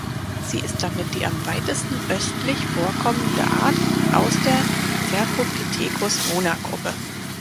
Sie ist damit die am weitesten östlich vorkommende Art aus der "Cercopithecus mona"-Gruppe.